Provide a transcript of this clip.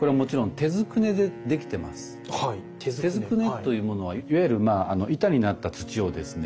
手捏ねというものはいわゆる板になった土をですね